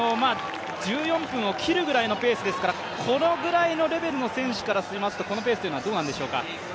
１４分を切るぐらいのペースぐらいですからこのぐらいのレベルの選手からするとこのペースというのはどうなんでしょうか？